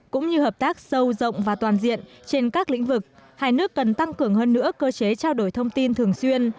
cũng như hợp tác sâu rộng và toàn diện trên các lĩnh vực hai nước cần tăng cường hơn nữa cơ chế trao đổi thông tin thường xuyên